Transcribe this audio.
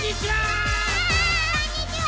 こんにちは！